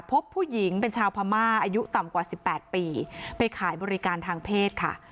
พบผู้หญิงเป็นชาวพม่าอายุต่ำกว่า๑๘ปีไปขายบริการทางเพศค่ะ